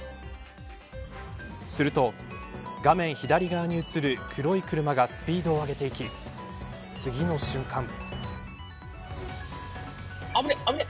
すると、画面左側に映る黒い車がスピードを上げていき次の瞬間。